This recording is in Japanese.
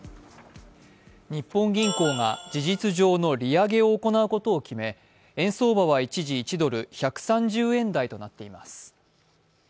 日本銀行が事実上の利上げを行うことを決め、円相場は一時、１ドル＝１３０円台となっています。